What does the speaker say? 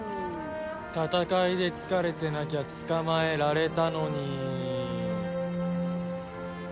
戦いで疲れてなきゃ捕まえられたのにー。